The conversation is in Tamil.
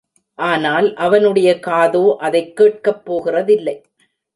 ஆனால் அவனுடைய காதோ அதைக் கேட்கப் போகிறதில்லை.